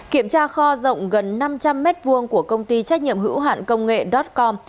kiểm tra kho rộng gần năm trăm linh m hai của công ty trách nhiệm hữu hạn công nghệ dotcom